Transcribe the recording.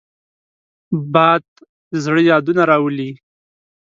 باد د زړه یادونه راولي